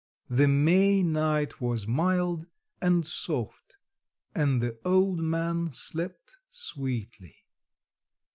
The May night was mild and soft, and the old man slept sweetly.